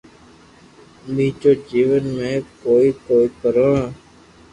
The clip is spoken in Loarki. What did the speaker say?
ٻيجو جيون ۾ ڪوئي ڪوئي ڪرو